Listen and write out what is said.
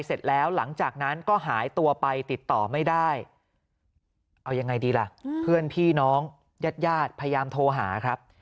เอายังไงดีล่ะเพื่อนพี่น้องญาติยาดพยายามโทรหาครับ